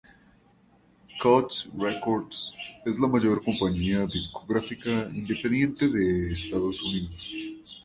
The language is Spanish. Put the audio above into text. Koch Records es la mayor compañía discográfica independiente de Estados Unidos.